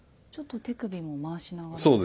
ちょっと手首も回しながら。